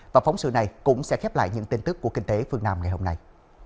và phóng sự này cũng sẽ khép lại những tin tức của kinh tế phương nam ngày hôm nay